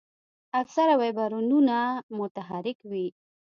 اکثره ویبریونونه متحرک وي.